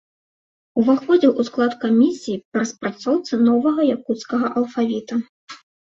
Уваходзіў у склад камісіі па распрацоўцы новага якуцкага алфавіта.